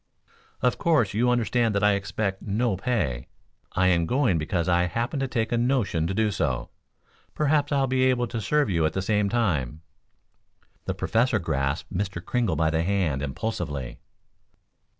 "Of course, you understand that I expect no pay. I am going because I happen to take a notion to do so. Perhaps I'll be able to serve you at the same time." The Professor grasped Mr. Kringle by the hand impulsively.